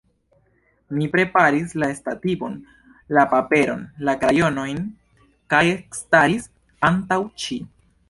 Mi preparis la stativon, la paperon, la krajonojn kaj ekstaris antaŭ ŝi.